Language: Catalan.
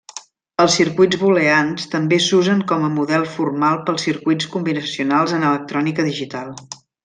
Els circuits booleans també s'usen com a model formal pels circuits combinacionals en electrònica digital.